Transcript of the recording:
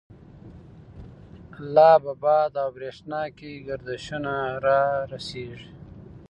لا په باد او برَښنا کی، گردشونه را رستیږی